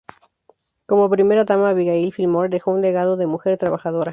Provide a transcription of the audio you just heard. Como Primera Dama Abigail Fillmore dejó un legado de mujer trabajadora.